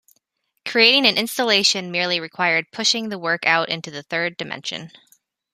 Creating an installation merely required pushing the work out into the third dimension.